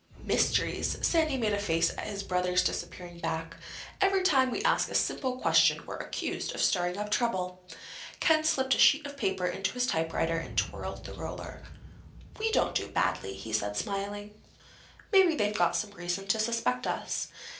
"Mysteries!" Sandy made a face at his brother's disappearing back. "Every time we ask a simple question we're accused of stirring up trouble." Ken slipped a sheet of paper into his typewriter and twirled the roller. "We don't do badly," he said, smiling. "Maybe they've got some reason to suspect us."